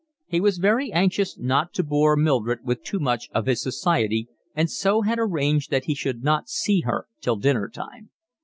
He was very anxious not to bore Mildred with too much of his society, and so had arranged that he should not see her till dinner time.